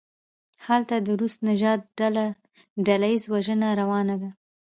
هلته د روس نژادو ډله ایزه وژنه روانه ده.